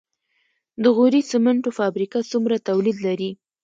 د غوري سمنټو فابریکه څومره تولید لري؟